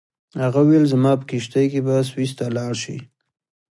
هغه وویل زما په کښتۍ کې به سویس ته لاړ شې.